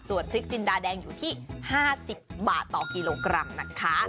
ส่วนพริกจินดาแดงอยู่ที่๕๐บาทต่อกิโลกรัมนะคะ